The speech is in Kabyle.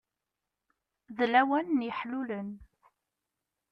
D lawan n yeḥlulen.